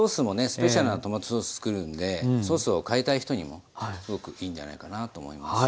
スペシャルなトマトソース作るんでソースを変えたい人にもすごくいいんじゃないかなと思います。